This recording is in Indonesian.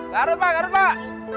garut pak garut pak